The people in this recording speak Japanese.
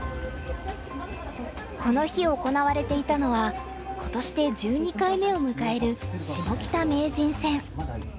この日行われていたのは今年で１２回目を迎えるシモキタ名人戦。